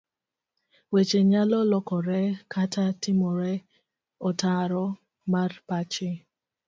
Weche nyalo lokore kata timore otaro mar pachi.